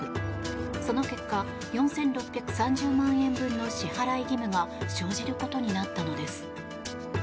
その結果、４６３０万円分の支払い義務が生じることになったのです。